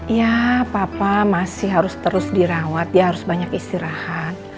ya papa masih harus terus dirawat dia harus banyak istirahat